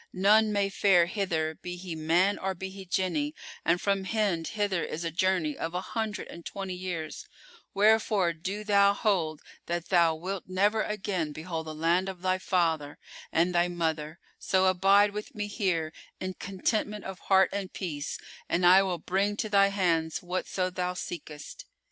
None may fare hither be he man or be he Jinni, and from Hind hither is a journey of an hundred and twenty years: wherefore do thou hold that thou wilt never again behold the land of thy father and thy mother; so abide with me here, in contentment of heart and peace, and I will bring to thy hands whatso thou seekest.